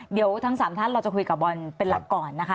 เดี๋ยวทั้ง๓ท่านเราจะคุยกับบอลเป็นหลักก่อนนะคะ